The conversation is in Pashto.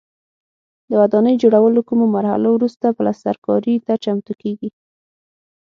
د ودانۍ جوړولو کومو مرحلو وروسته پلسترکاري ته چمتو کېږي.